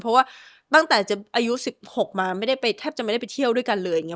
เพราะว่าตั้งแต่จะอายุ๑๖มาไม่ได้ไปแทบจะไม่ได้ไปเที่ยวด้วยกันเลยอย่างนี้